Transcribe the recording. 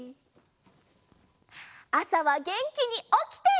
あさはげんきにおきて。